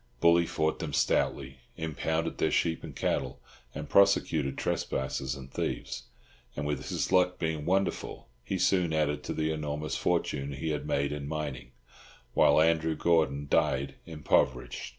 Bully fought them stoutly, impounded their sheep and cattle, and prosecuted trespassers and thieves; and, his luck being wonderful, he soon added to the enormous fortune he had made in mining, while Andrew Gordon died impoverished.